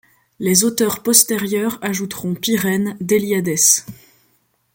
Les auteurs postérieurs ajouteront Pirène, Déliadès.